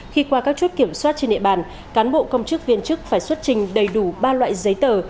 khi qua các chốt kiểm soát trên địa bàn cán bộ công chức viên chức phải xuất trình đầy đủ ba loại giấy tờ